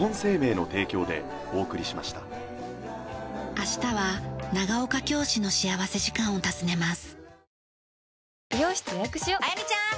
明日は長岡京市の幸福時間を訪ねます。